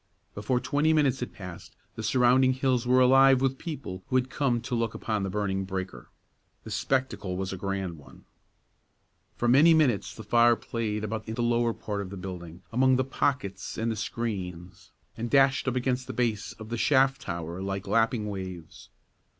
Before twenty minutes had passed, the surrounding hills were alive with people who had come to look upon the burning breaker. The spectacle was a grand one. For many minutes the fire played about in the lower part of the building, among the pockets and the screens, and dashed up against the base of the shaft tower like lapping waves.